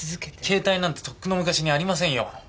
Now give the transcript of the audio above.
携帯なんてとっくの昔にありませんよ。